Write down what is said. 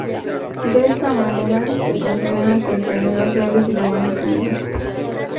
De esta manera, se consideran contenidos fiables y de buena calidad.